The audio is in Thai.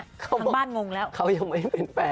ทางบ้านงงแล้วเขายังไม่เป็นแฟน